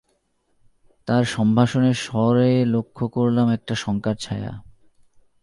তার সম্ভাষণের স্বরে লক্ষ করলাম একটা শঙ্কার ছায়া।